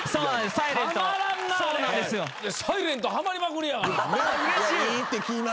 『ｓｉｌｅｎｔ』ハマりまくりやがな。